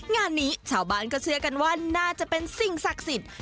งานนี้ชาวบ้านก็เชื่อกันว่าน่าจะเป็นสิ่งศักดิ์สิทธิ์